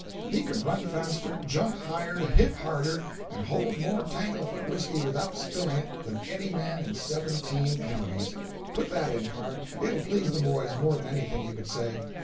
He could run faster, jump higher, hit harder, and hold more tangle foot whisky without spilling it than any man in seventeen counties. Put that in, pard—it'll please the boys more than anything you could say.